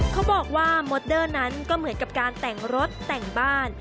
เขาบอกว่ามอเตอร์นั้นก็เหมือนกับการแต่งรถแต่งบ้าน